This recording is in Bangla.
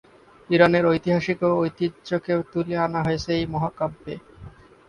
ইরানের ইতিহাস ও ঐতিহ্যকে তুলে আনা হয়েছে এই মহাকাব্যে।